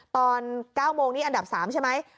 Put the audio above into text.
ตอน๙โมงนี่อันดับ๓ใช่ไหม